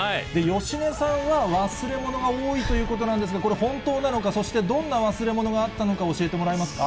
芳根さんは、忘れ物が多いということなんですか、これは本当なのか、そしてどんな忘れ物があったのか教えてもらえますか？